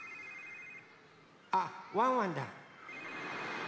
あっワンワンだ。